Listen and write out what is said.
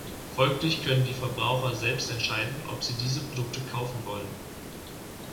Folglich können die Verbraucher selbst entscheiden, ob sie diese Produkte kaufen wollen.